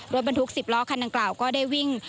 รถบรรทุก๑๐ล้อคันดังกล่าวก็ได้วิ่ง